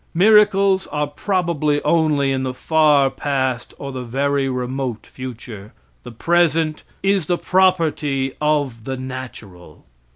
Miracles are probably only in the far past or the very remote future. The present is the property of the natural.